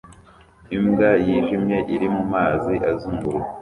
Imbwa yijimye iri mumazi azunguruka